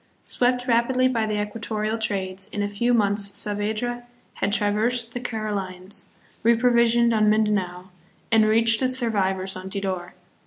Swept rapidly by the equatorial trades, in a few months Saavedra had traversed the Carolines, reprovisioned on Mindanao, and reached the survivors on Tidor.